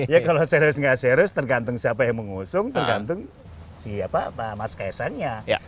ya kalau serius nggak serius tergantung siapa yang mengusung tergantung siapa mas kaisannya